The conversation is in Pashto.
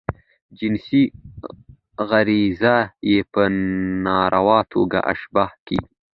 جنسی غریزه ئې په ناروا توګه اشباه کیږي.